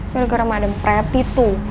gara gara ada prepti tuh